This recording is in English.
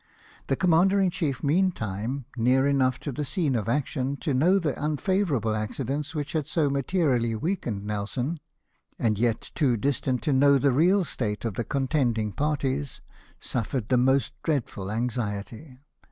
The commander in chief, meantime, near enough to the scene of action to know the unfavourable acci dents which had so materially weakened Nelson, and yet too distant to know the real state of the contend ing parties, suffered the most dreadful anxiety.